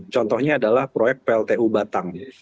contohnya adalah proyek pltu batang